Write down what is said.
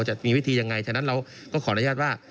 จะมีวิธียังไงฉะนั้นเราก็ขออนุญาตว่า